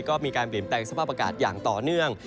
ก็มีการเปลี่ยนแปลงสภาพอากาศอย่างต่อเนื่อง